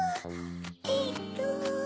えっと。